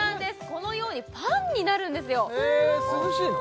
このようにファンになるんですよへえ涼しいの？